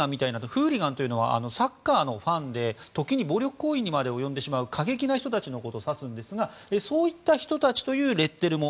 フーリガンというのはサッカーのファンで時に暴力行為にまで及んでしまう過激な人たちのことを指すんですがそういった人たちというレッテルも。